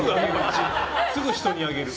すぐ人にあげる。